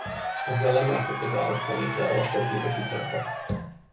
Azzal lemászott az árokfenékre, a vastag, zsíros iszapba.